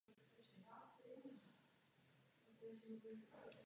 Mnohokrát vám děkuji.